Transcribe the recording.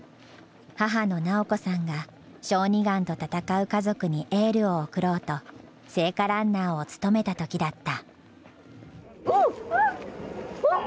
母の由子さんが小児がんと闘う家族にエールを送ろうと、聖火ランナーを務めたときだった。